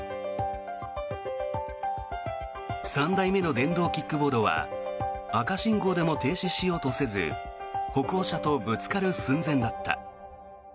３台目の電動キックボードは赤信号でも停止しようとせず歩行者とぶつかる寸前だった。